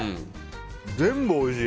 全部おいしい。